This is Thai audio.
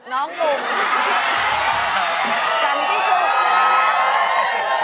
น้องหนุ่มค่ะ